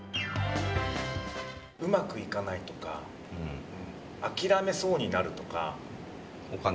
うまくいかないとか諦めそうになるとか。